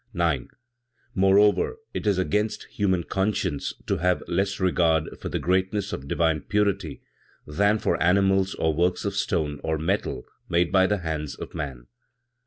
9. "Moreover, it is against human conscience to have less regard for the greatness of divine purity, than for animals or works of stone or metal made by the hands of man.